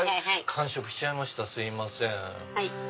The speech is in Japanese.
完食しちゃいましたすいません。